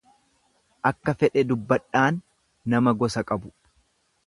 Akka fedhe dubbadhaan nama gosa qabu.